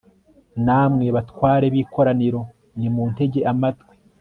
namwe batware b'ikoraniro, nimuntege amatwi